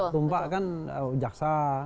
tumpak kan jaksa